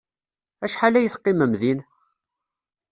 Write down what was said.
Acḥal ay teqqimem din?